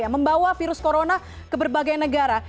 yang membawa virus corona ke berbagai negara